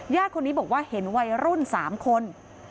คนนี้บอกว่าเห็นวัยรุ่น๓คน